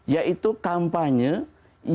yaitu kampanye yang